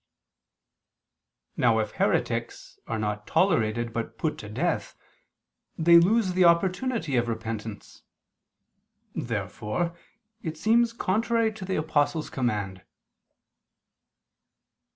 Now if heretics are not tolerated but put to death, they lose the opportunity of repentance. Therefore it seems contrary to the Apostle's command.